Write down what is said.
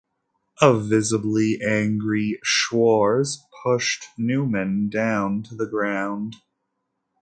A visibly angry Schwarz pushed Newman down to the ground.